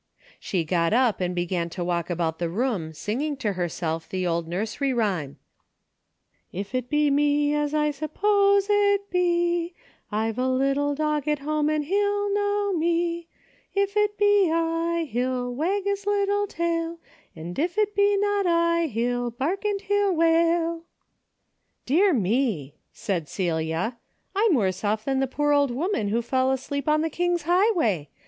She .got up and began to walk about the room singing to herself the old nursery rhyme :"' If it be me, as I suppose it be, I've a little dog at home and he'll know me ; If it be /, he'll wag his little tail, And if it be not I, he'll bark, and he'll wail.' Dear me !" said Celia, " I'm worse olf than the poor old woman who fell asleep on the king's highway.